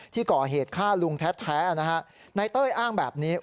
ที่ก่อเหตุฆ่าลุงแท้นะฮะนายเต้ยอ้างแบบนี้